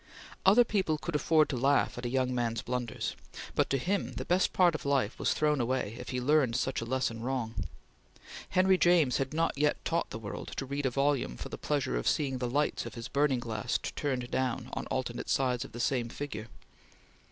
Other people could afford to laugh at a young man's blunders, but to him the best part of life was thrown away if he learned such a lesson wrong. Henry James had not yet taught the world to read a volume for the pleasure of seeing the lights of his burning glass turned on alternate sides of the same figure.